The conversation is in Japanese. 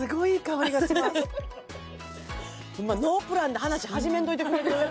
ノープランで話始めんといてくれる？